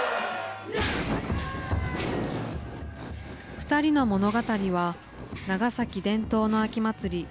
２人の物語は長崎伝統の秋祭り